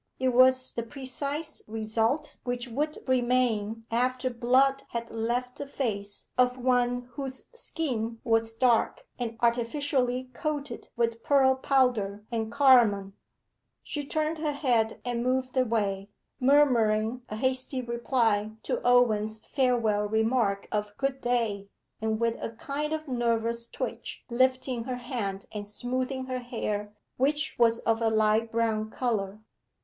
It was the precise result which would remain after blood had left the face of one whose skin was dark, and artificially coated with pearl powder and carmine. She turned her head and moved away, murmuring a hasty reply to Owen's farewell remark of 'Good day,' and with a kind of nervous twitch lifting her hand and smoothing her hair, which was of a light brown colour.